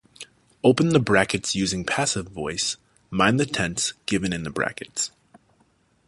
Open the brackets using Passive Voice, mind the tense given in the brackets.